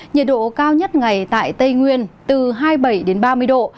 nhiệt độ cao nhất ngày tại tây nguyên từ hai mươi bảy đến ba mươi độ